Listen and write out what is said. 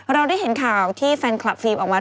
เราได้เห็นข่าวที่แฟนคลับฟิล์มออกมา